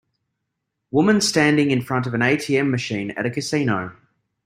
Women standing in front of a ATM machine at a casino.